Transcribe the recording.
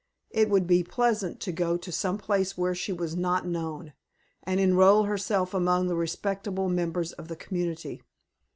It would be pleasant to go to some place where she was not known, and enrol herself among the respectable members of the community.